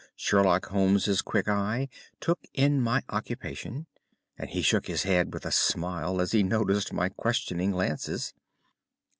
Sherlock Holmes' quick eye took in my occupation, and he shook his head with a smile as he noticed my questioning glances.